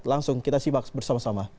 langsung kita simak bersama sama